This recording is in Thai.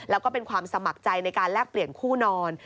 แล้วก็เป็นความสมัครใจในการแลกเปลี่ยนคู่นอน